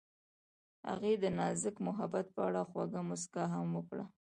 هغې د نازک محبت په اړه خوږه موسکا هم وکړه.